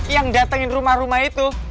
yang datengin rumah rumah itu